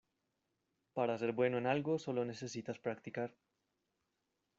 Para ser bueno en algo solo necesitas practicar.